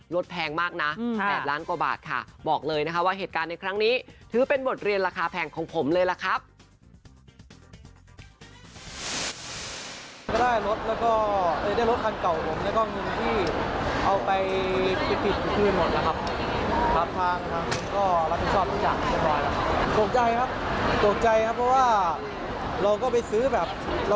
รถแพงมากนะ๘ล้านกิโลกรัมบอกเลยว่าเหตุการณ์ในครั้งนี้ถือเป็นหมดเรียนราคาแพงของผมเลยละครับ